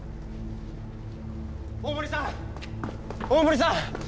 大森さん大森さん！